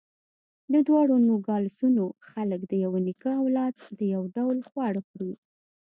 د دواړو نوګالسونو خلک د یوه نیکه اولاد، یو ډول خواړه خوري.